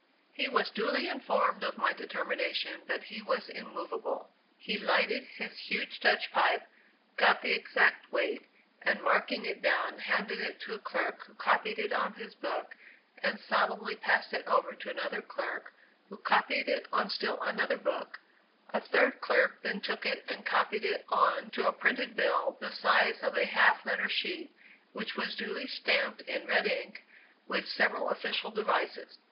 He was duly informed of my determination, but he was immovable. He lighted his huge Dutch pipe, got the exact weight, and marking it down, handed it to a clerk, who copied it on his book, and solemnly passed it over to another clerk, who copied it on still another book; a third clerk then took it, and copied it on to a printed bill, the size of a half letter sheet, which was duly stamped in red ink with several official devices.